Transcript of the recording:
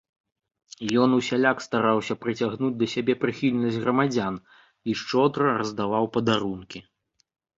Ён усяляк стараўся прыцягнуць да сябе прыхільнасць грамадзян і шчодра раздаваў падарункі.